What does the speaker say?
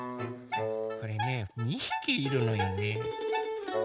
これね２ひきいるのよね。